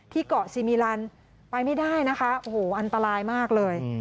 เกาะซีมิลันไปไม่ได้นะคะโอ้โหอันตรายมากเลย